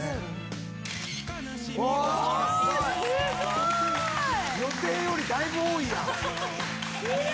「すごい！」「予定よりだいぶ多いやん」